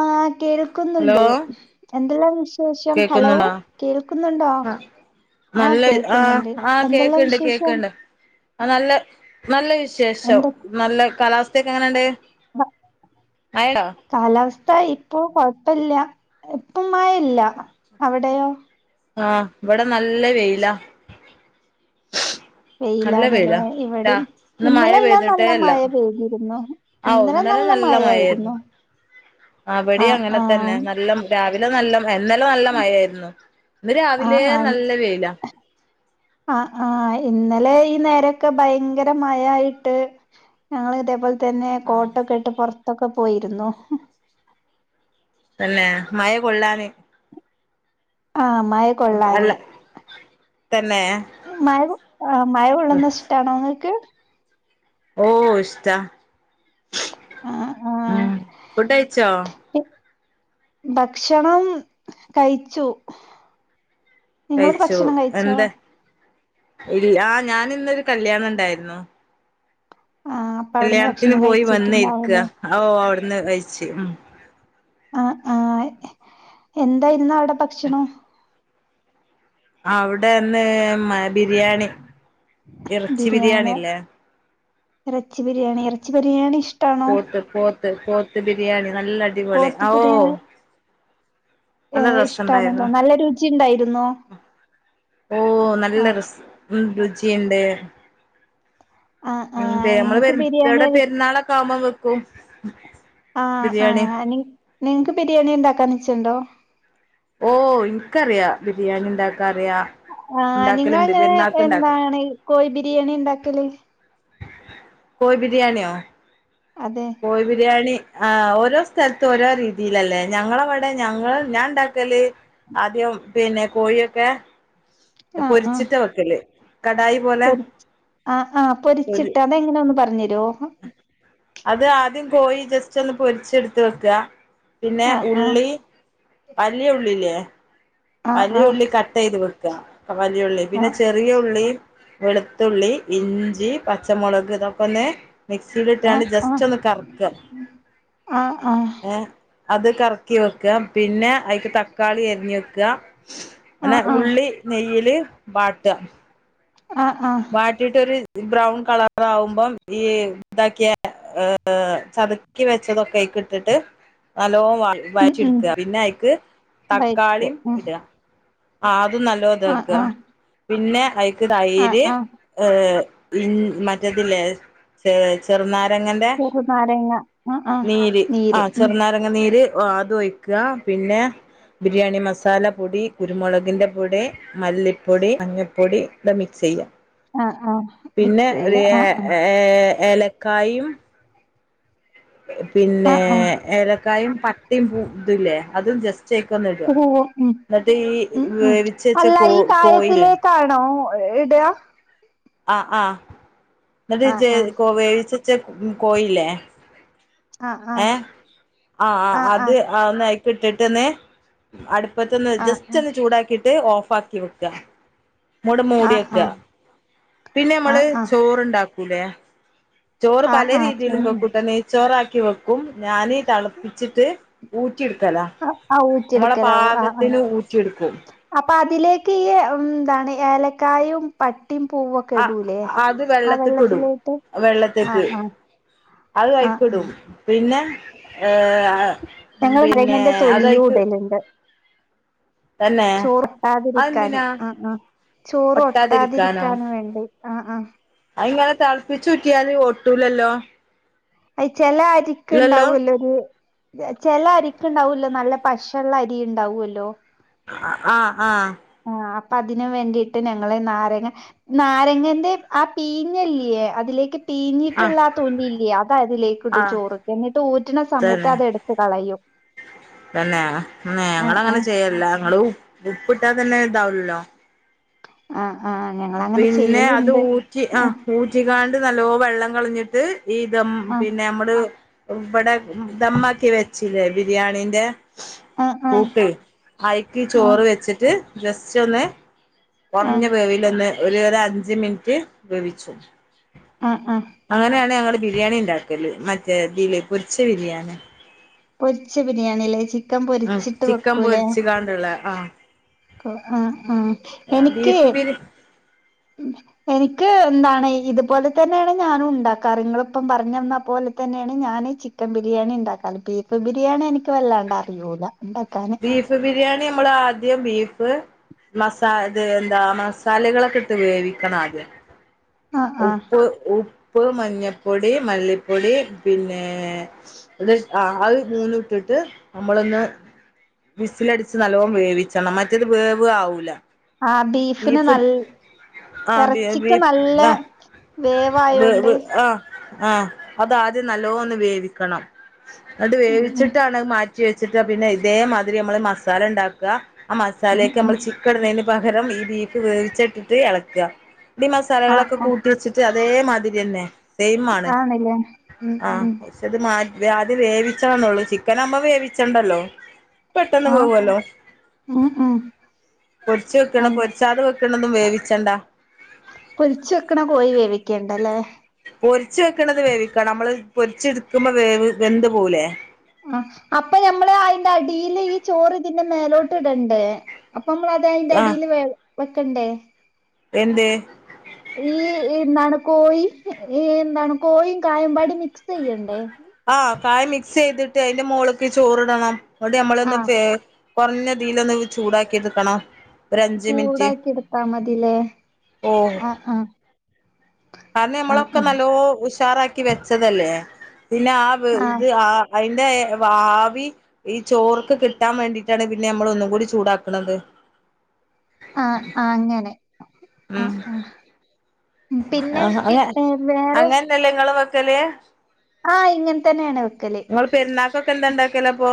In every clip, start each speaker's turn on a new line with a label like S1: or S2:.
S1: ആ
S2: ഹലോ
S1: കേൾക്കുന്നുണ്ട് എന്തെല്ലാം വിശേഷം ഹലോ
S2: കേക്കുന്നുണ്ടോ
S1: കേൾക്കുന്നുണ്ടോ
S2: ആഹ്
S1: ആഹ്
S2: നല്ല ഇ ആ
S1: കേൾക്കുന്നുണ്ട്
S2: ആ
S1: എന്തെല്ലാം
S2: കേക്കണ്ട്
S1: വിശേഷം
S2: കേക്കണ്ട് ആ നല്ല നല്ല വിശേഷം നല്ല കാലാവസ്ഥക്കെങ്ങനെണ്ട്
S1: വ കാലാവസ്ഥ ഇപ്പോ കൊഴപ്പില്ല്യ എങ് ഇപ്പുമയില്ല അവിടെയോ
S2: ആ ഇവിടെ നല്ല വെയിലാ നല്ല
S1: വെയിലാണല്ലേ
S2: വെയിലാ രാ
S1: ഇവിടെം
S2: ഇന്ന്
S1: ഇന്നലെല്ലാം നല്ല മഴ പെയ്തിരുന്നു
S2: ആ ഒ ഇന്നലെ നല്ല മയെയിരുന്നു അവിടെ
S1: ആഹ്
S2: അങ്ങനെ
S1: ആഹ്
S2: തന്നെ നല്ല മഴ രാവിലെ നല്ല മ ഇന്നലെ നല്ല മയേയിരുന്നു ഇന്ന് രാവിലെ നല്ല വെയില
S1: ആ ആ എ ഇന്നലെ ഈ നേരൊക്കെ ഭയങ്കര മഴായിട്ട് ഞങ്ങള് ഇതേപോലെ തന്നെ കോട്ടൊക്കെ ഇട്ട് പൊറത്തൊക്കെ പോയിരുന്നു ഹ്
S2: തന്നെ മയ കൊള്ളാന്
S1: ആ മയ
S2: അല്ല
S1: കൊള്ളാനെ
S2: തന്നെ
S1: ഇ മഴ കൊ ങാ മഴകൊള്ളുന്നിഷ്ടാണോങ്ങൾക്ക്
S2: ഓ ഇഷ്ടാ
S1: ആഹ് ആഹ്
S2: ഉം ഫുഡയിച്ചോ
S1: ഭക്ഷണം കയിച്ചു നിങ്ങളൊക്കെ
S2: കഴിച്ചു
S1: ഭക്ഷണം കഴിച്ചോ
S2: എന്താ ഇല്ല ആ ഞാൻ ഇന്നൊരു കല്യാണണ്ടായിരുന്നു
S1: ആഹ് അപ്പൊ അവിടുന്ന്
S2: കല്യാണത്തിന്
S1: ഭക്ഷണം
S2: പോയി വന്ന് ഇരിക്കാ
S1: കഴിച്ചിട്ടുണ്ടാവൂലേ
S2: അ ഓ അവിടുന്ന് കയിച്ച്
S1: ആആ എന്തായിരുന്നു അവിടെ ഭക്ഷണം
S2: അവിടെന്ന് മ ബിരിയാണി ഇറച്ചി
S1: ബിരിയാണി
S2: ബിരിയാണില്ലേ
S1: ഇറച്ചി ബിരിയാണി ഇറച്ചി ബിരിയാണി ഇഷ്ടാണോ
S2: പോത്ത് പോത്ത് പോത്ത് ബിരിയാണി നല്ല അടിപൊളി
S1: പോത്ത്
S2: ഓ
S1: ബി [unintelligible] ഏ
S2: നല്ല
S1: ഇഷ്ടണല്ലേ
S2: രസണ്ടായിരുന്നു
S1: നല്ല രുചിണ്ടായിരുന്നോ
S2: ഓ നല്ല രസ് മ് രുചിയുണ്ട്
S1: ആഹ്
S2: ഉം പെ
S1: ആഹ്
S2: നമ്മള്
S1: നിങ്ങക്ക്
S2: പെര്
S1: ബിരിയാണി
S2: എവിടെ പെരുന്നാളൊക്കെ ആവുമ്പ വെക്കും
S1: ആ ആ
S2: ബിരിയാണി
S1: നിങ് നിങ്ങക്ക് ബിരിയാണി ഇണ്ടാക്കാ [unintelligible]
S2: ഓ ഇനിക്കറിയാ ബിരിയാണിണ്ടാക്കാൻ
S1: ആ നിങ്ങ എങ്ങനെ
S2: ഇണ്ടാക്കും
S1: എന്താണ് കോഴി ബിരിയാണി ഇണ്ടാക്കല്
S2: കോയി ബിരിയാണിയൊ
S1: അതെ
S2: കോയി ബിരിയാണി ആ ഓരോ സ്ഥലത്തും ഓരോ രീതിയിലല്ലേ ഞങ്ങളവിടെ ഞങ്ങള് ഞാൻ ഉണ്ടാക്കല് ആദ്യം പിന്നെ കോഴിയൊക്കെ
S1: ആഹ് ആഹ്
S2: പൊരിച്ചിട്ട വെക്കല് കടായി പോലെ
S1: പൊരി ആ ആഹ്
S2: പൊരി
S1: പൊരിച്ചിട്ട് അതെങ്ങനെ ഒന്ന് പറഞ്ഞരോ
S2: അത് ആദ്യം കോയി ജസ്റ്റ് ഒന്ന് പൊരിച് എടുത്ത് വെക്കാ പിന്നെ
S1: ആഹ് ആഹ്
S2: ഉള്ളി വലിയ ഉള്ളില്ലേ
S1: ആഹ്
S2: വലിയ ഉുള്ളി കട്ട് ചെയ്ത് വെക്കുക വലിയ ഉുള്ളി പിന്നെ
S1: ആഹ്
S2: ചെറിയ ഉള്ളി വെളുത്തുള്ളി ഇഞ്ചി പച്ചമുളക് ഇതൊകൊന്ന് മിക്സിൽ ഇട്ടാണ്ട്
S1: ആഹ് ആഹ്
S2: ജസ്റ്റ് ഒന്ന് കറക്ക
S1: ആഹ് ആഹ് ആഹ്
S2: ഏ അത് കറക്കി വെക്ക പിന്നെ അക്ക് തക്കാളി അരിഞ് വെക്ക
S1: ആഹ്
S2: അന്നെ
S1: ആഹ്
S2: ഉള്ളി നെയ്യിൽ വാട്ടുക
S1: ആഹ് ആഹ്
S2: വാട്ടി ഇട്ടൊര് ബ്രൗൺ കളറ ആവുമ്പം ഈ ഇതാക്കിയ ചതക്കി വെച്ചതൊക്കെ കിട്ടട്ട് നലോ
S1: ഉം
S2: വയറ്റി
S1: ഉം
S2: എടക പിന്നെ അയിക്ക്
S1: വൈറ്റ്
S2: തക്കാളിം
S1: ഉം
S2: ഇട ആ അതും
S1: ആഹ്
S2: നല്ലോതാക്കുക
S1: ആഹ്
S2: പിന്നെ അയിക്ക്
S1: ആഹ്
S2: തൈര്
S1: ആഹ്
S2: ഏ മറ്റതില്ലേ ചെറുനാ ങ്ങന്റെ
S1: ചെറുനാരങ്ങ ആഹ് ആഹ്
S2: നീര് ആ
S1: ഉം
S2: ചെറുനാരങ്ങ നീര് ഓ അതൊയിക്ക പിന്നെ ബിരിയാണി മസാല പൊടി കുരുമുളകിന്റെ പൊടി മല്ലിപ്പൊടി മഞ്ഞപ്പൊടി ഇ മ
S1: ആഹ് ആഹ്
S2: പിന്നെ
S1: മിക്സെയ്യ
S2: ഒരുഏ
S1: ആഹ് ആഹ്
S2: ഏ ഏലക്കായും പിന്നെ
S1: ആഹ് ആഹ്
S2: ഏലക്കായും പട്ടയും പൂ ഇതുംല്ലേ അതും ജസ്റ്റ് അയിക്കൊന്ന് ഇടുക
S1: ഉ
S2: എന്നിട്ട് ഈ
S1: ഉ ഉ
S2: വേവിച്ച് വെച്ച
S1: അല്ല
S2: കോ
S1: ഈ
S2: കോഴില്ലേ
S1: കായത്തിലേക്കാണോ എടയാ
S2: ആ ആഹ
S1: ആഹ്
S2: എന്നട്ട്
S1: ആഹ്
S2: കോ വേവിച്ചച്ച കോയിലേ
S1: ആഹ്
S2: ഏ
S1: ആഹ്
S2: ആ
S1: ആഹ് ആഹ്
S2: അത് [unintelligible] ഇട്ടിട്ട്ന്ന് അടുപ്പത്തന്ന്
S1: ആ
S2: ജസ്റ്റ് ഒന്ന് ചൂടാക്കിട്ട് ഓഫ് ആക്കി വെക്ക മൂട
S1: ആ ആ ആ
S2: മൂടിയൊക്കാ പിന്നെ
S1: ആ
S2: നമ്മള്
S1: ആ
S2: ചോറുണ്ടാക്കൂലേ ചോറ്
S1: ആ
S2: പല
S1: ആ
S2: രീതിയിലും
S1: ചേരുന്നു
S2: വെക്കൂട്ട നെയ്ചോറാക്കി വെക്കും ഞാൻ തളപ്പിച്ചിട്ട് ഊറ്റി എടുക്കലാ
S1: ഊറ്റി എടുക്കലാ ഒ അ അ അപ്പോ അതിലേക്ക് ഈ തണി ഏലക്കായും പ ട്ടിയും പൂവൊക്കെ
S2: ആ
S1: ഇടൂലേ
S2: അത്
S1: ആ
S2: വെള്ളത്ത്ക്ക് ഇടും
S1: വെള്ളത്തിലാട്ട് ആ
S2: വെള്ളത്ത്ക്ക്
S1: ആ
S2: അത്
S1: ആ ആ
S2: കഴക്കിടും പിന്നെ ഏ
S1: ഞങ്ങള്
S2: പിന്നെ
S1: നാരങ്ങന്റെ
S2: അതയിക്ക്
S1: ചോർട്ടാതിരിക്കാനെ
S2: അതെന്തിനാ
S1: ആ ആ ചോറ്
S2: ഒട്ടാതിരിക്കാനോ
S1: ഒട്ടാതിരിക്കാന വേണ്ടി ആഹ ആ
S2: തളപ്പിച്ചു ഊറ്റിയാല് ഓട്ടൂലല്ലോ
S1: അ ചില അരിക്ക് ഉണ്ടാവൂലോ ഒരു ചില അരിക്ക് ഉണ്ടാവൂലോ നല്ല പശുള്ള അരി ഉണ്ടാവല്ലോ
S2: ആഹ് ആഹ
S1: അപ്പതിന് വേണ്ടിയിട്ട് ഞങ്ങള് നാരങ്ങ നാരങ്ങന്റെ ആ പീഞ്ഞല്ലിയെ അതിലേക്ക്
S2: ആഹ്
S1: തീഞ്ഞിട്ടുള്ളാ തോന്നില്ല അതിലേക്ക ഇടും
S2: ആഹ്
S1: ചോറ് എന്നിട്ട് ഊറ്റണ സമയത്ത് അത് എടുത്ത് കളയും
S2: പിന്നെ ഞങ്ങ
S1: ആഹ്
S2: അങ്ങനെ
S1: ആഹ്
S2: ചെയ്യല്ല ഞങ്ങള് ഉ ഉപ്പിട്ടാ തന്നെ ഇതാവലല്ലോ
S1: ആഹ
S2: പിന്നെ അത് ഊറ്റി ആ
S1: ഉം
S2: ഊറ്റിക നല്ലോ വെള്ളം കളഞ്ഞിട്ട് ഈ തം
S1: ആഹ്
S2: പിന്നെ നമ്മള് ബടാ ദമ്മക്കി വെച്ചിലേ ബിരിയാണിന്റെ
S1: ആഹ് ആഹ്
S2: കൂട്ട് അയക്ക്ി
S1: ആഹ്
S2: ചോറ് വെച്ചിട്ട് ജസ്റ്റ് ഒന്ന് കുറഞ്ഞ
S1: ആഹ്
S2: വേവ് ലെന്നെ ഒരു അഞ്ച് മിനിറ്റ് വേവിച്ചു
S1: ആഹ് ആഹ്
S2: അങ്ങനെയാണ് ഞങ്ങള് ബിരിയാണിണ്ടാക്കല് മറ്റേ.. തില് പൊരിച്ച ബിരിയാണി
S1: പൊരിച്ച ബിരിയാണില്ലേ ചി
S2: അ ചിക്കൻ പൊരിച്ച്കാണ്ട്ള്ളെ അ
S1: ഹ് അ ആ... എനിക്ക്
S2: ബീഫ് ബിരി
S1: എനിക്ക് നിക്ക് ന്താണ് ഇതുപോലെതന്നാണ് ഞാനും ഉണ്ടാക്കാറ് ഇങ്ങള്പ്പം പറഞ്ഞന്ന പോലെയാണ് ഞാന് ചി ചിക്കൻ ബിരിയാണി ണ്ടാക്കാറ് ബീഫ് ബിരിയാണി എനിക്ക് വല്ലാണ്ട് അറിയൂല ഉണ്ടാക്കാന്
S2: ബീഫ് ബിരിയാണി മ്മള് ആദ്യം ബീഫ് മസാ ത് ന്താ... മസാലകളൊക്കെട്ട് വേവിക്കണം ആദ്യം
S1: ആഹ് ആഹ്
S2: ഉപ്പ് ഉപ്പ് ഉപ്പ്, മഞ്ഞപ്പൊടി, മല്ലിപ്പൊടി പിന്നേ ഒര് അ അമൂന്ന്ട്ട്ട്ട് ട്ട് നമ്മളൊന്ന് വിസിലടിച്ച് നല്ലോം വേവിച്ചണം മറ്റേത് വേവ് ആവൂല.
S1: ആഹ് ബീഫിന്
S2: ബീഫ്
S1: നൽ
S2: ആഹ് ബെയ്
S1: ഇറച്ചിക്ക്
S2: ബീഫ്
S1: നല്ല
S2: അ
S1: വേവായോണ്ട്
S2: വെവ് അ. അ അതാആദ്യം നല്ലോന്ന് വേവിക്കണം ന്ന്ട്ട്
S1: ഉം
S2: വേവിച്ചിട്ടാണ് അമാറ്റി റ്റി വെച്ചിട്ടാ.. പിന്നെ ഇതേമാതിരി നമ്മള് മസാലണ്ടാക്കാ അ മസാലേക്ക്‌
S1: ഉം
S2: ചിക്കട്ണേന് പകരം ഈ ബീഫ് വേവിച്ചട്ട്ട്ട് എളക്കാ.. ഈ
S1: ആഹ്
S2: മസാലകളൊക്കെ
S1: ആഹ്
S2: കൂട്ട ട്ടിറ്റ് അതേമാതിരിയെന്നേ സെയ്മാണ്
S1: ആണല്ലേ ഉം
S2: അ
S1: ഉം
S2: ഷെത് വ്യാതി വേവിച്ചാണൊള്ളൂ ചിക്കനാവുമ്മ വേവിച്ചണ്ടല്ലോ പെട്ടന്ന്
S1: ആഹ്
S2: വേവല്ലോ
S1: ഉം ഉം
S2: പൊരിച്ച് വെക്ക്‌ണ്
S1: അല്ല
S2: പൊരിച്ചാതെ വെക്ക്‌ണതും വേവിച്ചണ്ടാ....
S1: പൊരിച്ച് വെക്ക്‌ണ കോയി വേവിക്കണ്ടല്ലേ..
S2: പൊരിച്ച് വെക്ണത് വേവിക്കന നമ്മള് പൊരിചിട്ക്കുമ്പൊ വേവ് വെന്ത് പോവൂലേ...
S1: ആ അപ്പഞമ്മള് അയ്ന്റടീല് ഈ ചോറ്തിന്റെ മേലോട്ട്ടണ്ടേ അപ്പമ്മള് അത്
S2: ആഹ്
S1: അയ്ന്റടീല് വ വെക്കണ്ടേ
S2: എന്ത്
S1: ഈ.. എന്നാണ്. കോയി ഏ.. ന്താണ് കോയും കായമ്പാടം വെച്ച് ചെയ്യണ്ടേ...
S2: അ കായ മിക്സെയ്തിട്ട് അയ്ന്റെ മോള്ക്ക്‌ ഇ ചോറ്ടണം അവ്ടമ്മളൊന്ന്
S1: ആഹ്
S2: കുറഞ്ഞതീലൊന്ന് ചൂടാക്കിട്ക്കണം
S1: ചൂടാക്കിട്ത്താമതിലെ അ അ
S2: കാരണമ്മളൊക്കെ നല്ലോ ഉഷാറാക്കി വെച്ചതല്ലെ പിന്ന ആ വേ വ് ത്
S1: ആഹ്
S2: ആ.. അയ്ന്റെ വാവി ഈ ചോർക്ക് കിട്ടാവേണ്ടിട്ടാണ്പിന്നമ്മള് ഒന്നും കൂടി ചൂടാക്കണത്
S1: അ അ അങ്ങനെ അ അ
S2: ആഅയ് അങ്ങനെന്നല്ലെ ഇങ്ങളും വെക്കല്
S1: ആ... ഇങ്ങനെതെന്നേണ് വെക്കല്
S2: ഇക്കൊക്കെന്താണ്ടാക്കലപ്പൊ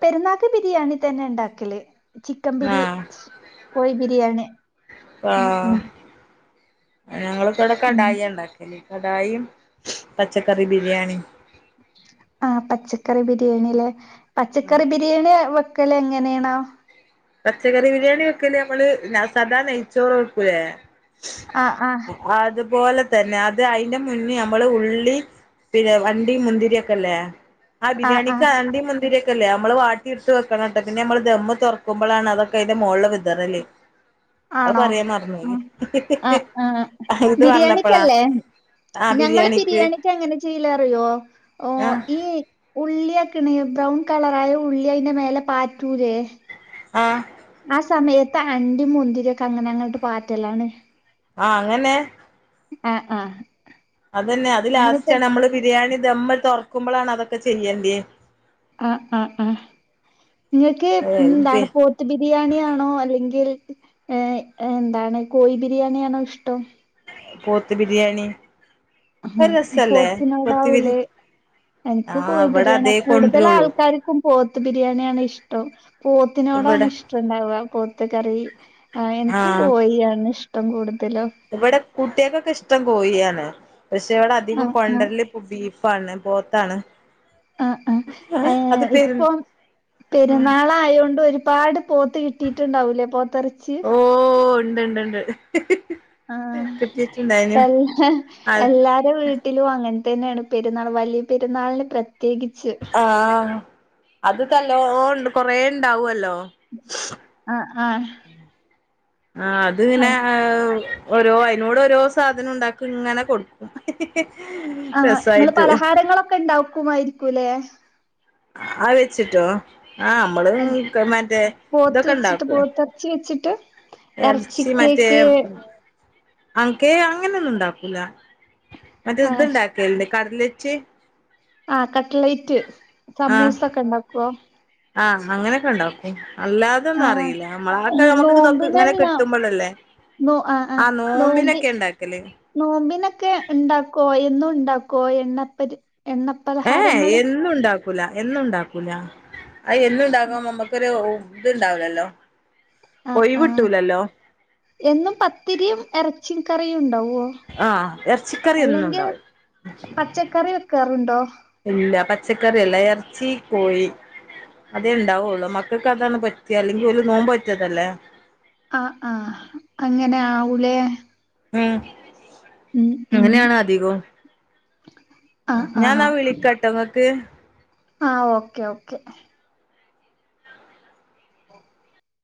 S1: പെരുന്നാക്ക് ബിരിയാണി തന്നെ ഉണ്ടാക്കല് ചിക്കൻ ബിരി
S2: ആഹ്
S1: കോഴി ബിരിയാണി
S2: ആ...
S1: ഉം ഉം
S2: ഞങ്ങള്ക്ക്‌വ്ടെ
S1: ഉം
S2: കടായിണ്ടാക്കല് കടായിയും പച്ചക്കറി ബിര്യാണിം
S1: അ പച്ചക്കറി ബിര്യാണിലെ പച്ചക്കറി ബിര്യാണി വെക്കലെങ്ങനേണ്
S2: പച്ചക്കറി ബിര്യാണി വെക്കല് മ്മള് സാദാ നെയ്ച്ചോറ് വെക്കൂലേ
S1: അ അ.
S2: തുപോലെതന്നെ അത് അയ്ന്റെ മുന്നേം മ്മള് ഉള്ളി പിന്നെഅണ്ടിം മുന്തിര്യോഒക്കെല്ലേ ആ..
S1: ആഹ്
S2: ബിര്യാണിക്ക്‌
S1: ആഹ്
S2: അണ്ടിം മുന്തിര്യോക്കല്ലേ മ്മള് വാട്ടി ഇട്ട് വെക്കണട്ടോ പിന്നെമ്മള് ദമ്മ് തൊറക്ക ക്കുമ്പളാണ് അതൊക്കെ അയ്ന്റെമോളില് വിതറല് അവ്
S1: ആണോ
S2: പറയാൻ മറന്നോയി
S1: ഉം ആഹ് ആഹ്
S2: അഹ് ത് പറഞ്ഞപ്പളാ
S1: ബിരിയാണിക്കല്ലേ
S2: ആ
S1: ഞങ്ങള്
S2: ബിരിയാണിക്ക്
S1: ബിരിയാണിക്കെങ്ങന ചെയ്യലെന്നറിയോ.. ഓ...
S2: ആ
S1: ഉള്ള്യകിണ് ബ്രൗൺ കളറായ ഉള്ളി അയിന്റെ മേലെ പാറ്റൂലേ..
S2: അ.
S1: ആ സമയത്ത് അണ്ടിം. മുന്തിരിയൊക്കെ അങ്ങനെ അങ്ങണ്ട്. പാറ്റല്ലാണ്
S2: ആഹ, അങ്ങനെ
S1: ആ ആഹ
S2: അതന്നെ അത് ലാസ്റ്റണ് അമ്മള് ബിരിയാണി ദമ്മ് തൊറക്കുമ്പോളാണ് അതൊക്കെ, ചെയ്യണ്ടേ
S1: ആഹ, ആഹ, ആഹ നിങ്ങക്ക്. മ്. ന്താണ് പോത്ത്. ബിരിയാണി. ആണോ. അല്ലെങ്കിൽ ഏ, എന്താണ്. കോഴി ബിരിയാണിയാണോ. ഇഷ്ടം
S2: പോത്ത് ബിരിയാണി.
S1: ആ,
S2: അരസല്ലേ പോത്ത് ബിരി
S1: എൻക്ക്.
S2: ആ
S1: കോയി
S2: ഇവിടെ
S1: ബിരിയാണ.
S2: അതേ
S1: കൂടുതൽ
S2: കൊണ്ടുവരുള്ളൂ
S1: ആൾക്കാർക്കും. പോ ത്ത്. ബിരിയാണിയാണ് ഇഷ്ടം പോത്തിനോടാണ്
S2: ഇവിടെ
S1: ഇഷ്ടംണ്ടാവ പോത്ത്. കറി ആ എനിക്ക് കൊയിയാണ് ഇഷ്ടം കൂടു
S2: ഇവിടെ. കുട്ടിക്കൊക്കെ. ഇഷ്ടം. കോയിയാണ് പഷേ ഇവിടെ അധികം
S1: ആഹ് ആഹ്
S2: കൊണ്ടരൽ ഇപ്പൊ. ബീഫാണ്. പോത്താണ്
S1: ആ. ആഹ്. ഹേ.
S2: അത്
S1: ഇപ്പൊ
S2: പെരു
S1: പെരുന്നാളാ. ആയൊണ്ട്. ഒരു പാട്, പോത്ത്. കിട്ടിട്ടുണ്ടാവൂലേ. പോത്ത ർച്ചി
S2: ഓ [unintelligible]
S1: ആ.
S2: കിട്ടിട്ടുണ്ടായിനു
S1: ഹ്
S2: അത്
S1: എല്ലാര. ഹ്ഹ. വീട്ടിലുഅങ്ങൻ ന്നെണ്. പെരുന്നാൾ വലിയ പെരുന്നാളിന്. പ്രേ
S2: ആ, ഹ, ആ, അത് കല്ലോണ്ട് കൊറേ ഉണ്ടാവുല്ലോ
S1: ആഹ്
S2: ആ, അത്. മ്. നെ.
S1: ആഹ്
S2: ഹ് ഹ് ഉ ഓരോ അയിനോട് ഓരോ സാധനം ഉണ്ടാക്കിങ്ങനെ. കൊടുക്കു
S1: ആഹ, നിങ്ങള് പലഹാരങ്ങളൊക്കെ. ഉണ്ടാക്കുമായിരിക്കുലേ
S2: ആഹ്. വെച്ചിട്ടോ ആഹ മ്മള്. ഹ് മറ്റേ
S1: പോത്ത്
S2: ഇതൊക്കെ
S1: വെച്ചിട്ട്
S2: ഇണ്ടാകൊ
S1: പോത്തിറച്ചി വെച്ചിട്ട്
S2: എൽച്ചി.
S1: ഇറച്ചിക്കേക്ക്
S2: മറ്റേം അ. കേ. അങ്ങനെ. ഒന്നുംണ്ടാകുല. മറ്റേ. ത് ഇണ്ടാകൽണ്ട്. കട്ലെറ്റ്‌
S1: ആഹ, കട്ട്ലൈറ്റ്.
S2: ആഹ്
S1: സമൂസൊക്കെ. ഇണ്ടാക്കോ
S2: ആഹ്, അങ്ങനെക്കെണ്ടാകും അല്ലാതോന്നു.
S1: ആഹ്
S2: അറിയീല. മ്മളാ. അ ക്കെ. നമുക്. നോക്. ഇങ്ങനെ.
S1: നോമ്പിനല്ല
S2: കിട്ടുമ്പൾ. ളല്ലേ
S1: നോ. ആ. ആ നോമ്പി നോമ്പിനെക്കെ. ണ്ടാക്കോ. എന്നുംണ്ട് ണ്ടാക്കോ. എണ്ണപ്പരി. എണ്ണ പലഹാരങ്ങൾ
S2: ലഎന്നുംണ്ടാക്കൂല. അഹ്. എന്നും ണ്ടാക്കുബൊ നമ്മക്കൊരു. ഹോം ഇത്ണ്ടാവ് ലല്ലോ
S1: ആ, ആഹ, എന്നും പത്തിരിയും. എറച്ചി. കറിയുംണ്ടാവും
S2: ആഹ, എർച്ചിക്കറി. എന്നും. ഉണ്ടാവും
S1: പച്ചക്കറി വെക്കാറുണ്ടോ
S2: ഇല്ല പച്ചക്കറി എല്ല എറച്ചി കോഴി. അതേണ്ടാവുള്ളു. മക്കക്ക് അതാണ് പറ്റിയല്ലെങ്കി. ഒരു നോമ്പോറ്റതല്ലേ
S1: ആ, ആഹ, അങ്ങനെ ആ, ഉലെ
S2: മ്മ്. അങ്ങനെയാണ്. അധികം ഹ.
S1: ആഹ്
S2: ഞാൻന്നാ. വിളിക്കട്ടങ്ങക്ക്
S1: ആ, ഓക്കെ. ഓക്കേ [inaudible]